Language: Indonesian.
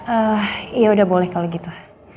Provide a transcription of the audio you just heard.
oh ya udah boleh kalau gitu